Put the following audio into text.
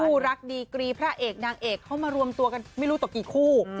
รักดีกรีพระเอกนางเอกเข้ามารวมตัวกันไม่รู้ต่อกี่คู่